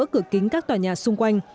cửa kính các tòa nhà xung quanh